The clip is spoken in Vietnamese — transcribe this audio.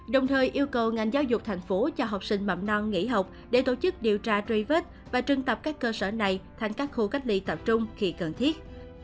đồng thời yêu cầu ngành giáo dục thành phố cho học sinh mầm non nghỉ học để tổ chức điều tra truy vết và trưng tập các cơ sở này thành các khu cách ly tập trung khi cần thiết